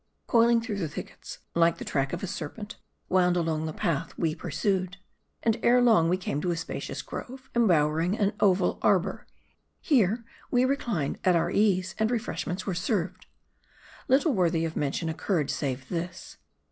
COILING through the thickets, like the track of a serpent, wound along the path we pursued. And ere long we came to a spacious grove, embowering an oval arbor. Here, we reclined at our ease, and refreshments were served. Little worthy of mention occurred, save this.